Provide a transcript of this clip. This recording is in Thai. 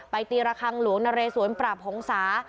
ตีระคังหลวงนเรสวนปราบหงษา